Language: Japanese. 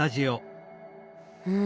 うん。